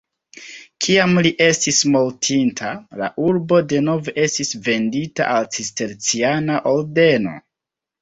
Kiam li estis mortinta, la urbo denove estis vendita al cisterciana ordeno.